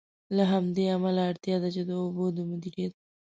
له همدې امله، اړتیا ده چې د اوبو د مدیریت.